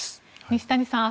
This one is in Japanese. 西谷さん